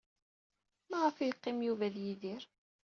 Maɣef ay yeqqim Yuba ed Yidir?